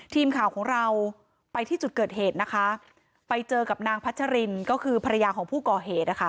ทีมข่าวของเราไปที่จุดเกิดเหตุนะคะไปเจอกับนางพัชรินก็คือภรรยาของผู้ก่อเหตุนะคะ